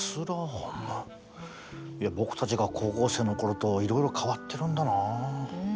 僕たちが高校生の頃といろいろ変わってるんだな。